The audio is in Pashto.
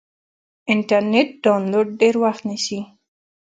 انټرنیټ ډاونلوډ ډېر وخت نیسي.